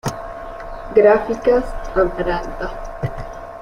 Gráficas Amaranta.